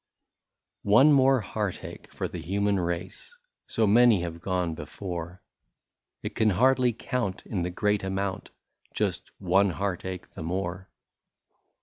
One more heart ache for the human race, So many have gone before, It can hardly count in the great amount, — Just one heart ache the more